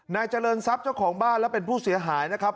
นายเจริญทรัพย์เจ้าของบ้านและเป็นผู้เสียหายนะครับ